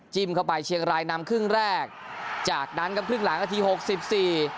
จิ้มเข้าไปเชียงรายนำครึ่งแรกจากนั้นกับครึ่งหลังนาที๖๔